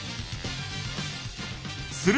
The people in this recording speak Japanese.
する